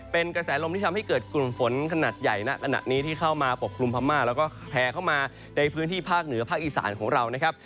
เป็นกระแสลมที่ทำให้เกิดกลุ่มฝนขนาดใหญ่ณขณะนี้ที่เข้ามาปกกลุ่มพม่าแล้วก็แพร่เข้ามาในพื้นที่ภาคเหนือภาคอีสานของเรานะครับ